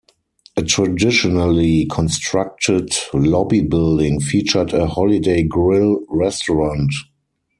A traditionally constructed lobby building featured a Holiday Grill restaurant.